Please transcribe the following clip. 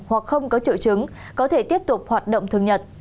hoặc không có triệu chứng có thể tiếp tục hoạt động thường nhật